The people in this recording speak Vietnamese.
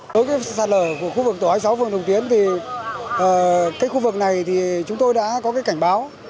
đối với sản lời của khu vực tổ hai mươi sáu phường thùng tiến thì cái khu vực này thì chúng tôi đã có cái cảnh báo